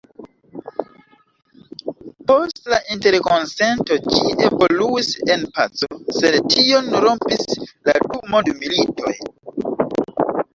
Post la Interkonsento ĝi evoluis en paco, sed tion rompis la du mondmilitoj.